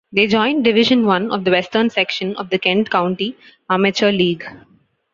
They joined Division One of the Western Section of the Kent County Amateur League.